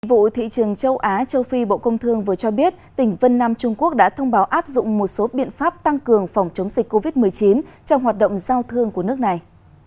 vụ thị trường châu á châu phi bộ công thương vừa cho biết tỉnh vân nam trung quốc đã thông báo áp dụng một số biện pháp tăng cường phòng chống dịch covid một mươi chín trong hoạt động giao thương của nước này